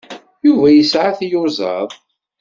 Yuba yesɛa tiyuzaḍ.